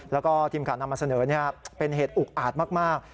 แล้วก็ทีมข่าวนำมาเสนอเป็นเหตุอุกอาจมาก